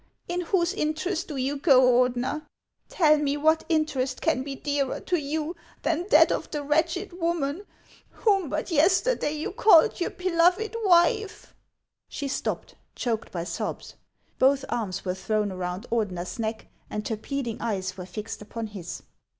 In whose interest do you go, Ordener ? Tell me, what interest can be dearer to you than that of the wretched woman whom but yesterday you called your beloved wife ?" She stopped, choked by sobs. Both arms were thrown around Ordener's neck, and her pleading eyes were fixed upon his.